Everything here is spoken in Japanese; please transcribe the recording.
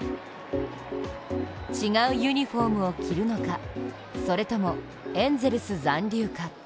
違うユニフォームを着るのか、それともエンゼルス残留か。